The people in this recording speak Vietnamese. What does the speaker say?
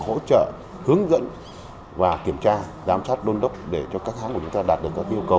hỗ trợ hướng dẫn và kiểm tra giám sát đôn đốc để cho các hãng của chúng ta đạt được các yêu cầu